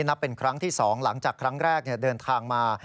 นับเป็นครั้งที่๒หลังจากครั้งแรกเดินทางมา